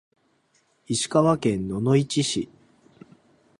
石川県野々市市